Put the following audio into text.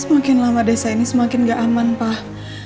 semakin lama desa ini semakin gak aman pak